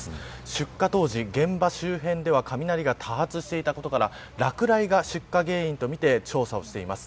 出火当時、現場周辺では雷が多発していたことから落雷が出火原因とみて調査しています。